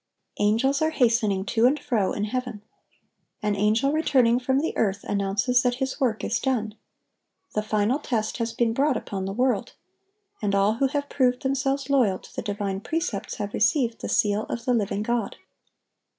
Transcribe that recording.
Angels are hastening to and fro in heaven. An angel returning from the earth announces that his work is done; the final test has been brought upon the world, and all who have proved themselves loyal to the divine precepts have received "the seal of the living God."